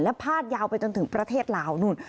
พาดยาวไปจนถึงประเทศลาวนู่น